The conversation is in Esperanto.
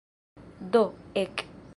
Do, ek.